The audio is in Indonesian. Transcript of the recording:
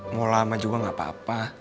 mau lama juga gak apa apa